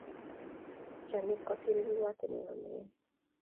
Chomnyet kosirei kiwato nebo meet.